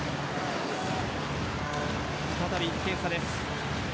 再び１点差です。